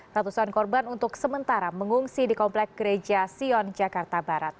ratusan korban untuk sementara mengungsi di komplek gereja sion jakarta barat